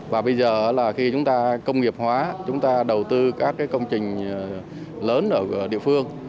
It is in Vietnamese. và bây giờ là khi chúng ta công nghiệp hóa chúng ta đầu tư các công trình lớn ở địa phương